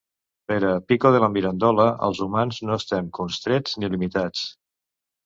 Per a Pico della Mirandola, els humans no estem constrets ni limitats.